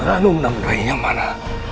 ranum dan bayinya mana